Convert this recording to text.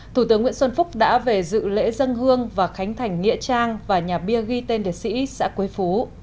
thủ tướng nguyễn xuân phúc đã về dự lễ dân hương và khánh thành nghĩa trang và nhà bia ghi tên liệt sĩ xã quế phú